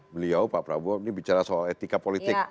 beliau pak prabowo ini bicara soal etika politik